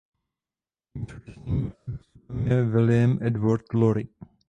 Jejím současným arcibiskupem je William Edward Lori.